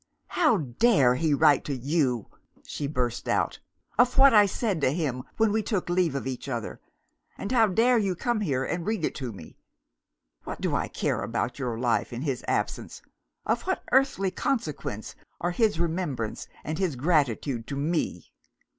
'How dare he write to you,' she burst out, 'of what I said to him when we took leave of each other? And how dare you come here, and read it to me? What do I care about your life, in his absence? Of what earthly consequence are his remembrance and his gratitude to Me!